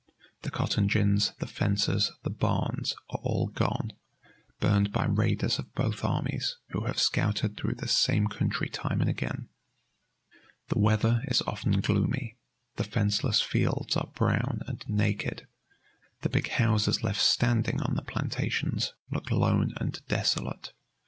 The cotton gins, the fences, the barns, are all gone, burned by raiders of both armies, who have scouted through this same country time and again. The weather is often gloomy; the fenceless fields are brown and naked; the big houses left standing on the plantations look lone and desolate.